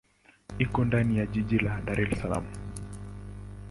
Iko ndani ya jiji la Dar es Salaam.